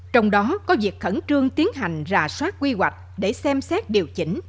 trong đó có việc khẩn trương tiến hành rà soát quy hoạch để xem xét điều chỉnh